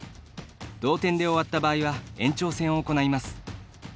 同点で終わった場合は延長戦を行います。